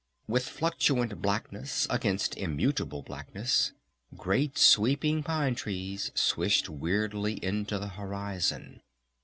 With fluctuant blackness against immutable blackness great sweeping pine trees swished weirdly into the horizon.